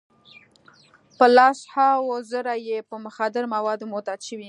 په لس هاوو زره یې په مخدره موادو معتاد شوي.